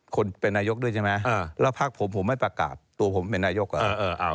คนเป็นนายกด้วยใช่ไหมแล้วพักผมผมไม่ประกาศตัวผมเป็นนายกเหรอ